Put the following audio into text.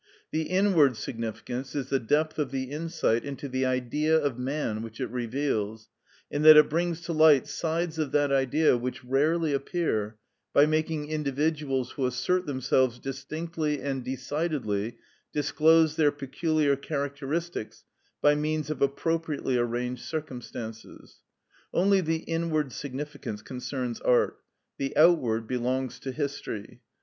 The inward significance is the depth of the insight into the Idea of man which it reveals, in that it brings to light sides of that Idea which rarely appear, by making individuals who assert themselves distinctly and decidedly, disclose their peculiar characteristics by means of appropriately arranged circumstances. Only the inward significance concerns art; the outward belongs to history.